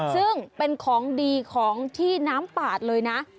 ซึ่งเป็นของดีของที่น้ำปาดเลยนะ